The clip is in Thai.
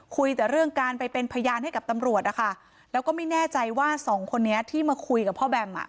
คุยแต่เรื่องการไปเป็นพยานให้กับตำรวจนะคะแล้วก็ไม่แน่ใจว่าสองคนนี้ที่มาคุยกับพ่อแบมอ่ะ